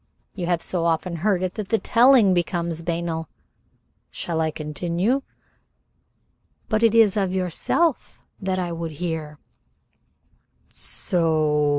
You have so often heard it that the telling becomes banal? Shall I continue?" "But it is of yourself that I would hear." "So?